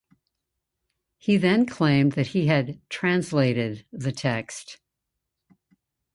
He then claimed that he had "translated" the text.